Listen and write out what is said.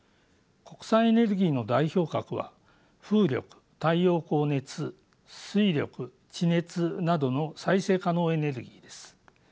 国産エネルギーの代表格は風力太陽光・熱水力地熱などの再生可能エネルギーです。